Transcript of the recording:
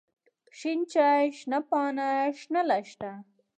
شين چای، شنه پاڼه، شنه لښته.